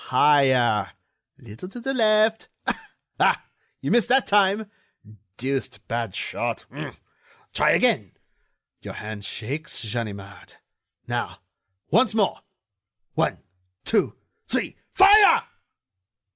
Higher!... A little to the left.... Ah! you missed that time ... deuced bad shot.... Try again.... Your hand shakes, Ganimard.... Now, once more ... one, two, three, fire!...